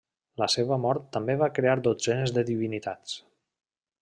La seva mort també va crear dotzenes de divinitats.